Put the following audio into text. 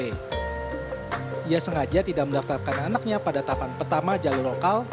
ia sengaja tidak mendaftarkan anaknya pada tahapan pertama jalur lokal